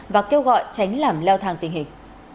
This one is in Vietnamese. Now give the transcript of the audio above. và kêu gọi tránh làm leo thang tình hình